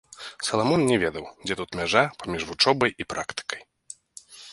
Саламон не ведаў, дзе тут мяжа паміж вучобай і практыкай.